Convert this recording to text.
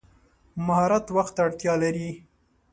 مهارت وخت ته اړتیا لري.